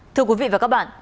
kính chào quý vị và các bạn